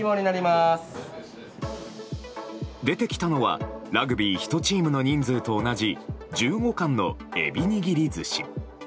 出てきたのはラグビー１チームの人数と同じ１５貫のエビ握り寿司。